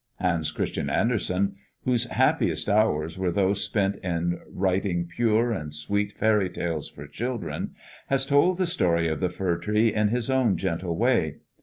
Hans Christian Andersen, whose happiest hours were those spent in writing pure and sweet fairytales for children, has told the story of the fir tree in his own gentle way.